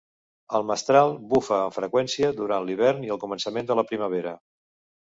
El mestral bufa amb freqüència durant l'hivern i al començament de la primavera.